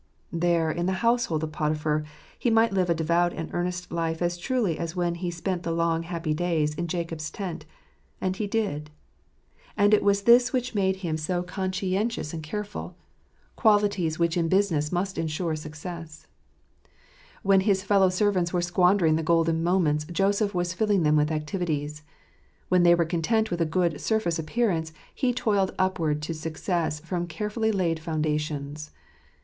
There, in the household of Poti phar, he might live a devout and earnest life as truly as when he spent the long, happy days in Jacob's tent : and he did. And it was this which made him so conscientious 32 3 ti tip* fjcmse of IJotipbar. and careful, qualities which in business must ensure success. When his fellow servants were squandering the golden moments, Joseph was filling them with activities. When they were content with a good surface appearance, he toiled upward to success from carefully laid foundations.